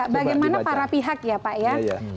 bagaimana para pihak ya pak ya